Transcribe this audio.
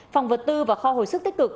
phòng vật tư và kho hồi sức tích cực